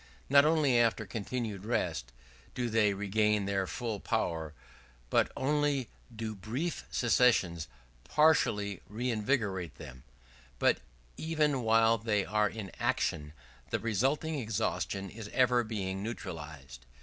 Not only after continued rest, do they regain their full power not only do brief cessations partially reinvigorate them; but even while they are in action, the resulting exhaustion is ever being neutralized.